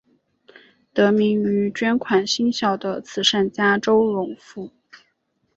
得名于捐款兴校的慈善家周荣富。